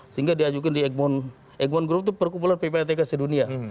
sehingga diajukan di eguan group itu perkumpulan ppatk sedunia